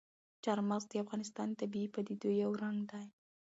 چار مغز د افغانستان د طبیعي پدیدو یو رنګ دی.